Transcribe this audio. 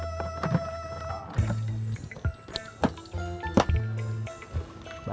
masuk ke kamar